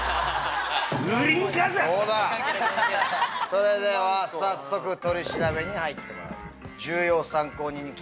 それでは早速取り調べに入ってもらう。